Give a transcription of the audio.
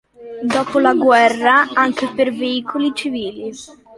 Dopo la guerra anche per veicoli civili.